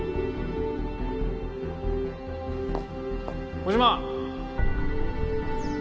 小島！